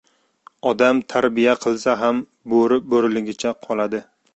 • Odam tarbiya qilsa ham bo‘ri bo‘riligichga qoladi.